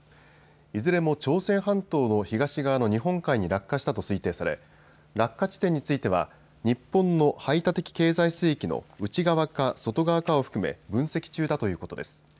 いずれも朝鮮半島の東側の日本海に落下したと推定され落下地点については日本の排他的経済水域の内側か外側かを含め分析中だということです。